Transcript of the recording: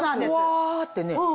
ふわってね。